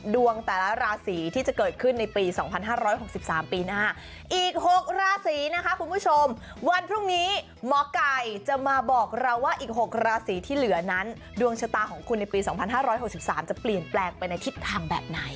เดี๋ยวมาบอกเราว่าอีก๖ราศีที่เหลือนั้นดวงชะตาของคุณในปี๒๕๖๓จะเปลี่ยนแปลงไปในทิศทางแบบไหน